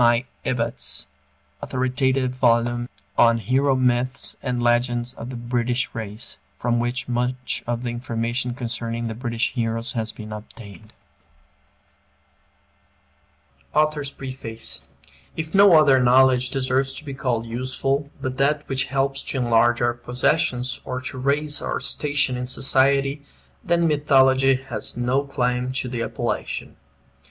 I. Ebbutt's authoritative volume on "Hero Myths and Legends of the British Race," from which much of the information concerning the British heroes has been obtained AUTHOR'S PREFACE If no other knowledge deserves to be called useful but that which helps to enlarge our possessions or to raise our station in society, then Mythology has no claim to the appellation.